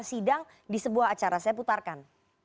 sidang di sebuah acara saya putarkan